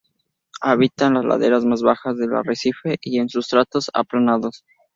Habita en las laderas más bajas del arrecife y en sustratos aplanados.